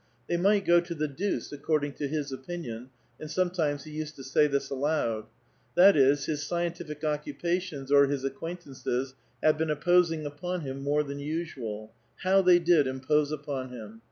They might go to the deuce, according to his opinion (and sometimes he used to say this aloud) ; that is, his scientific occupations or his ac quaintances have been imposing upon him more than usual ; how they did impose upon him